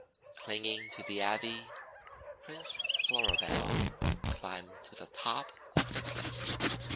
Clinging to the Ivy, Prince Floribel climbed to the top of the cliff.